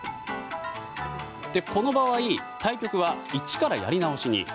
この場合、対局は一からやり直しに。